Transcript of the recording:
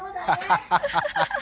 ハハハハ。